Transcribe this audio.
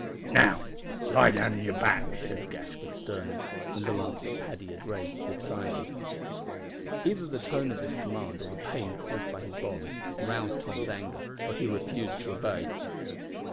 "Now, lie down on your back," said Gashford, sternly, when the laugh that Paddy had raised subsided. Either the tone of this command, or the pain caused by his bonds, roused Tom's anger, for he refused to obey.